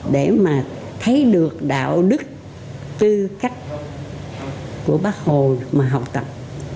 để mà thấy được đạo đức tư cách của bác hồ mà học tập